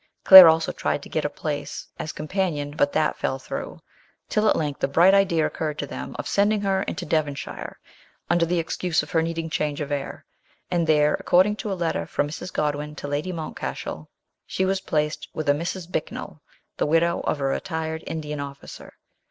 Claire also tried to get a place as companion, but that fell through, till at length the bright idea occurred to them of sending her into Devonshire, under the excuse of her needing change of air ; and there, according to a letter from Mrs. Godwin to Lady Mountcashell, she was placed with a Mrs. Bicknall, the widow of a retired Indian officer.